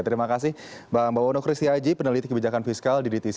terima kasih mbak mbak wono kristi aji peneliti kebijakan fiskal di dtc